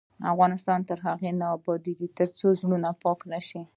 افغانستان تر هغو نه ابادیږي، ترڅو زړونه پاک نشي.